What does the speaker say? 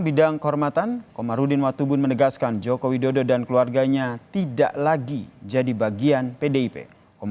pdip mengatakan bahwa bapak bukan bagian dari partai pdip lagi